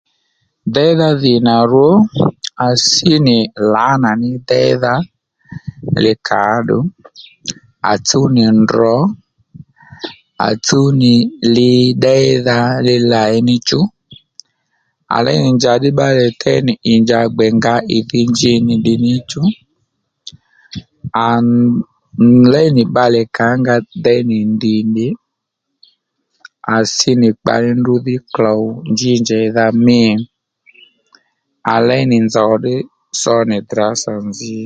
Déydha dhì nà rwo à sí nì lǎnà ní déydha li kàóddù à tsúw nì ndrò à tsúw nì li ddéydha li làyi níchú à léy nì njàddí bbalè déy nì ì njǎ gbè ngǎ ì dhí njí nì ddiy níchú à léy nì bbalè kàónga déy nì ndìndì à sí nì kpa ní ndrǔ dhí klôw njí njèydha mî à léy nì nzòw ddí so nì dàrázà nzǐ